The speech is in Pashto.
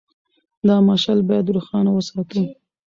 دا مشعل باید روښانه وساتو.